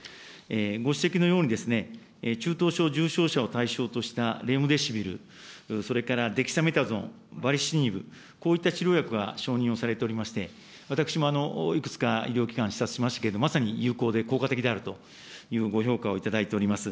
ご指摘のように中等症、重症者を対象としたレムデシビル、それからデキサメタゾン、バリシニブ、こういった治療薬が承認をされておりまして、私もいくつか医療機関、視察しましたけれど、まさに有効で、効果的であるというご評価をいただいております。